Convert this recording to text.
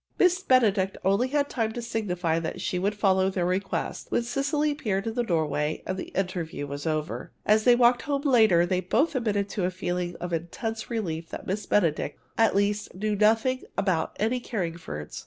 Miss Benedict had only time to signify that she would follow their request, when Cecily appeared in the doorway and the interview was over. As they walked home later they both admitted to a feeling of intense relief that Miss Benedict, at least, knew nothing about any Carringfords.